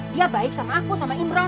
dia baik sama aku sama imron